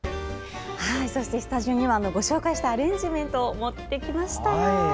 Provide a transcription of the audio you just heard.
スタジオにはご紹介したアレンジメントを持ってきました。